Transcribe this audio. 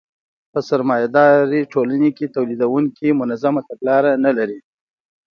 په سرمایه داري ټولنو کې تولیدونکي منظمه تګلاره نلري